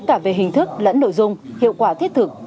cả về hình thức lẫn nội dung hiệu quả thiết thực